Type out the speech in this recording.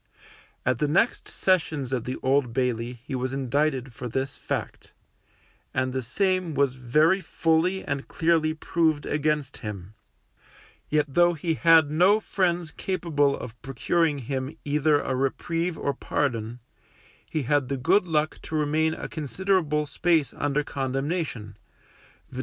At the next sessions at the Old Bailey he was indicted for this fact, and the same was very fully and clearly proved against him; yet though he had no friends capable of procuring him either a reprieve or pardon, he had the good luck to remain a considerable space under condemnation, viz.